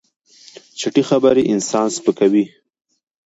چټي خبرې انسان سپکوي.